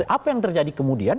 apa yang terjadi kemudian